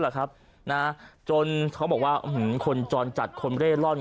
หรอครับนะจนเขาบอกว่าหือคนจอดจตกและด้วย